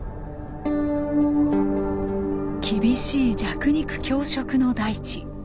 厳しい弱肉強食の大地。